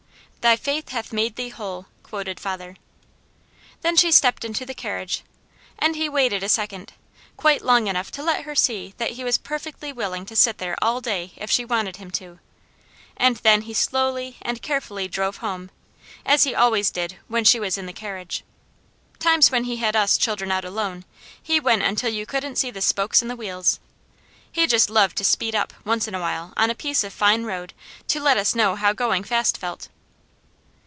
"'Thy faith hath made thee whole,'" quoted father. Then she stepped into the carriage, and he waited a second, quite long enough to let her see that he was perfectly willing to sit there all day if she wanted him to, and then he slowly and carefully drove home, as he always did when she was in the carriage. Times when he had us children out alone, he went until you couldn't see the spokes in the wheels. He just loved to "speed up" once in a while on a piece of fine road to let us know how going fast felt.